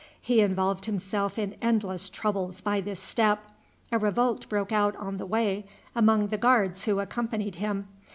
He involved himself in endless troubles by this step. A revolt broke out on the way among the guards who accompanied him.